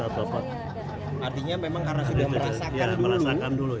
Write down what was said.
artinya memang karena sudah merasakan dulu